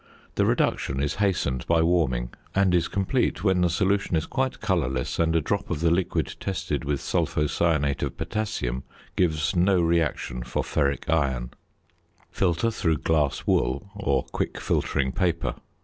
The reduction is hastened by warming, and is complete when the solution is quite colourless and a drop of the liquid tested with sulphocyanate of potassium gives no reaction for ferric iron. Filter through "glass wool" or quick filtering paper.